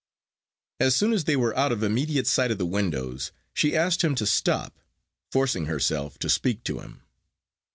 As soon as they were out of immediate sight of the windows, she asked him to stop, forcing herself to speak to him.